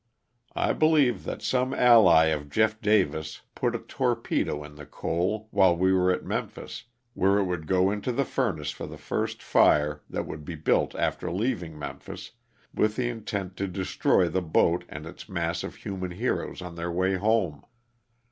I believe that some ally of Jeff. Davis put a torpedo in the coal, while we were at Memphis, where it would go into the furnace for the first fire that would be built after leaving Memphis, with the intent to destroy the boat and its mass of human heroes on their way home.